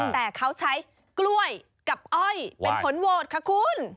แต่เขาใช้กล้วยกับอ้อยเป็นผลโหวตค่ะคุณ